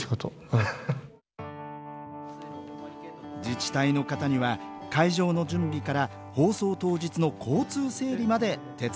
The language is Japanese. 自治体の方には会場の準備から放送当日の交通整理まで手伝って頂いています。